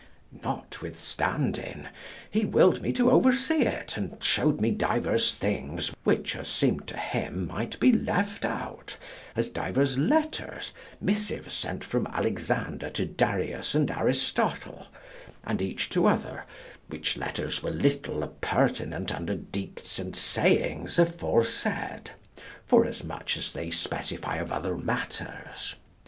Notwithstanding, he willed me to oversee it, and shewed me divers things, which, as seemed to him, might be left out, as divers letters, missives sent from Alexander to Darius and Aristotle, and each to other, which letters were little appertinent unto dictes and sayings aforesaid, forasmuch as they specify of other matters.